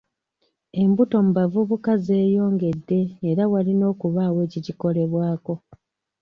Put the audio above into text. Embuto mu bavbuka zeeyongedde era walina okubaawo ekikikolebwako.